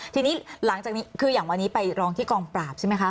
ทีนี้หลังจากนี้คืออย่างวันนี้ไปร้องที่กองปราบใช่ไหมคะ